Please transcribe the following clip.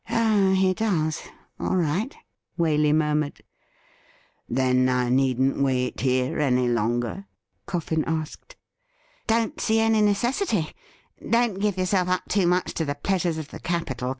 ' Oh, he does ; all right,' Waley murmured. ' Then I needn't wait here any longer .?' Coffin asked. ' Don't see any necessity. Don't give yoiurself up too much to the pleasures of the capital.